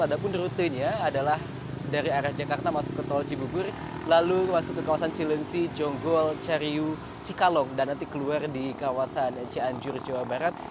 adapun rutinnya adalah dari area jakarta masuk ke tol cibugur lalu masuk ke kawasan cilensi jonggol cariw cikalong dan nanti keluar di kawasan cianjur jawa barat